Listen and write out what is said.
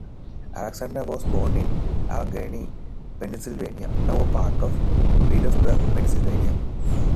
Alexander was born in Allegheny, Pennsylvania, now a part of Pittsburgh, Pennsylvania.